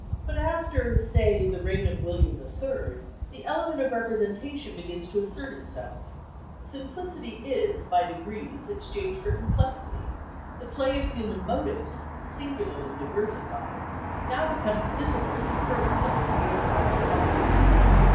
But after, say, the reign of William III., the element of representation begins to assert itself. Simplicity is by degrees exchanged for complexity; the play of human motives, singularly diversified, now becomes visible in the currents of a real public life.